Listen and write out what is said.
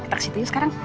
kita kesitu yuk sekarang